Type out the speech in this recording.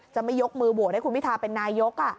จะไม่ยกมือโหวตให้คุณพิทาเป็นนายก